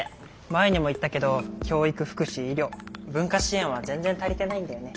前にも言ったけど教育福祉医療文化支援は全然足りてないんだよね。